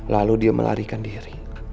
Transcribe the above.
lalu dia melarikan diri